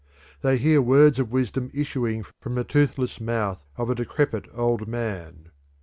They hear words of wisdom issuing from the toothless mouth of a decrepit old man.